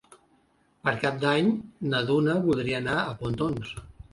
Per Cap d'Any na Duna voldria anar a Pontons.